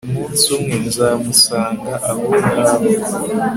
Umunsi umwe nzamusanga aho ngaho